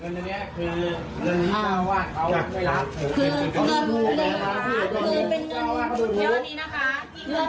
พี่ไม่ต้องการพวกเราก็เลยมาน้ำคืน